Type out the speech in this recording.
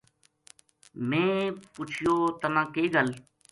میں پُچھیو تَنا کے گل